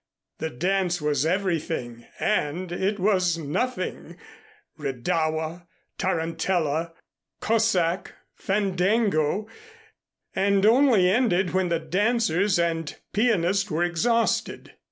The dance was everything and it was nothing redowa, tarantella, cosaque, fandango, and only ended when the dancers and pianist were exhausted.